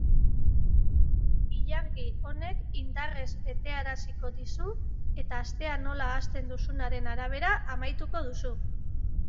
Ilargi honek indarrez betearaziko dizu eta astea nola hasten duzunaren arabera amaituko duzu.